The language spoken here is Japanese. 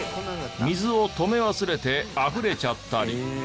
水を止め忘れてあふれちゃったり。